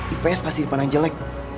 ips pasti di depan yang jelek